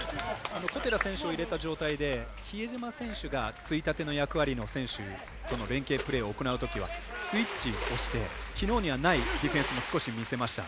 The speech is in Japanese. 小寺選手を入れた状態で比江島選手がついたての役割の選手との連係プレーを行うときはスイッチをしてきのうにはないディフェンスも少し見せました。